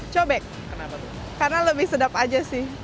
cobek karena lebih sedap aja sih